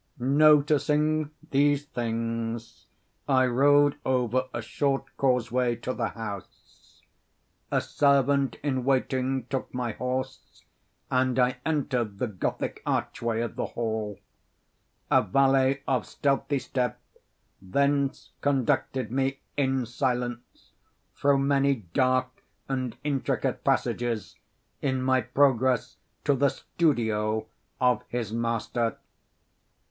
Noticing these things, I rode over a short causeway to the house. A servant in waiting took my horse, and I entered the Gothic archway of the hall. A valet, of stealthy step, thence conducted me, in silence, through many dark and intricate passages in my progress to the studio of his master.